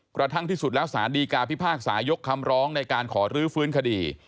กระทั่งที่สุดแล้วสารดีกาพิพากษายกคำร้องในการขอรื้อฟื้นคดี